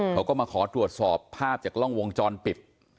เขาก็มาขอตรวจสอบภาพจากกล้องวงจรปิด